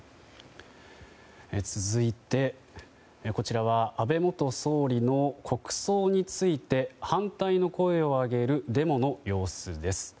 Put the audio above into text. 続いて、こちらは安倍元総理の国葬について反対の声を上げるデモの様子です。